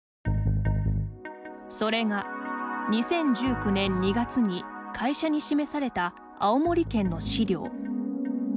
それが、２０１９年２月に会社に示された青森県の資料。